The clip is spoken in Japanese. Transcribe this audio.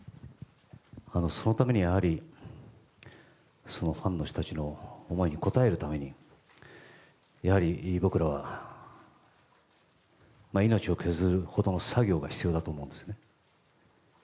そのためにファンの人たちの思いに応えるために僕らは命を削るほどの作業が必要だと思うんですね。